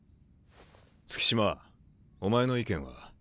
月島お前の意見は？